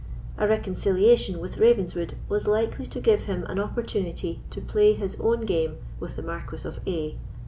A reconciliation with Ravenswood was likely to give him an opportunity to play his own game with the Marquis of A——.